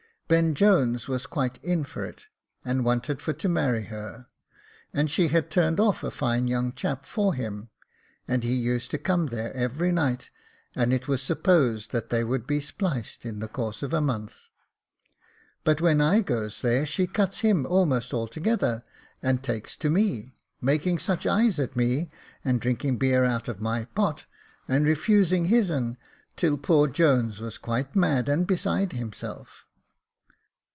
Ben Jones was quite in for it, and wanted for to marry her, and she had turned off a fine young chap for him, and he used to come there every night, and it was supposed that they would be spliced in the course of a month ; but when I goes there she cuts him almost altogether, and takes to me, making such eyes at me, and drinking beer out of my pot, and refusing his'n, till poor Jones was quite mad and beside himself.